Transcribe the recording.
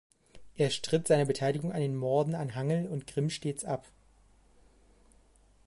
Er stritt seine Beteiligung an den Morden an Hangl und Grimm stets ab.